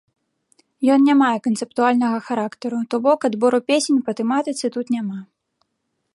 Ён не мае канцэптуальнага характару, то бок, адбору песень па тэматыцы тут няма.